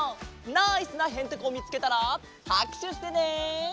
ナイスなヘンテコをみつけたらはくしゅしてね！